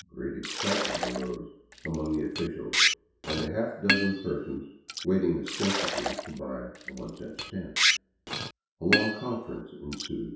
" Great excitement arose among the officials and the half dozen per sons waiting ostensibly to buy a one cent stamp. A long conference ensued.